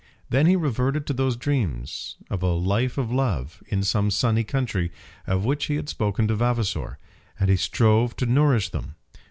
Then he reverted to those dreams of a life of love, in some sunny country, of which he had spoken to Vavasor, and he strove to nourish them.